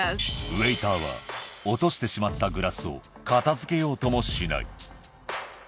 ウエイターは落としてしまったグラスを片づけようともしない。